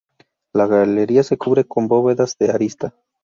La galería se cubre con bóvedas de arista.